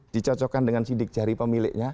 dicocokkan dengan sidik jari pemiliknya